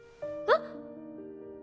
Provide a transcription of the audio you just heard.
あっ。